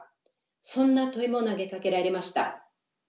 そんな問いも投げかけられました。